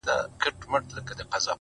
حقيقت لا هم نيمګړی ښکاري ډېر,